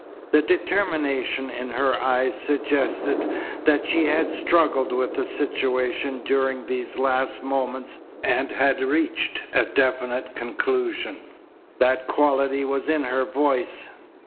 The determination in her eyes suggested that she had struggled with the situation during these last moments and had reached a definite conclusions That quality was in her voice.